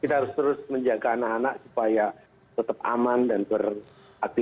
kita harus terus menjaga anak anak supaya tetap aman dan beraktivitas